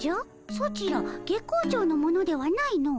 ソチら月光町の者ではないの。